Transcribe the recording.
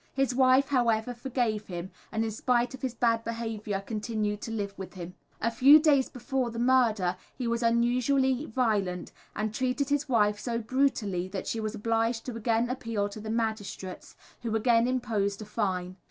His wife, however, forgave him, and in spite of his bad behaviour continued to live with him. A few days before the murder he was unusually violent, and treated his wife so brutally that she was obliged to again appeal to the magistrates, who again imposed a fine.